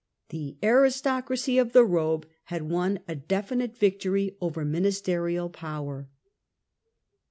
The aristo cracy of the robe had won a definite victory over the ministerial power.